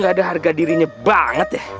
gak ada harga dirinya banget ya